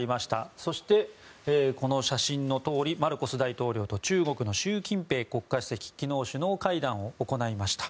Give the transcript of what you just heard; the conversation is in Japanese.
そして、この写真のとおりマルコス大統領と中国の習近平国家主席昨日、首脳会談を行いました。